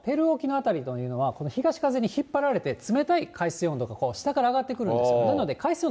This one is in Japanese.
こっちが平常時、東風が吹いてるんですけれども、南米のペルー沖の辺りというのはこの東風に引っ張られて冷たい海水温度が下から上がってくるんですよ。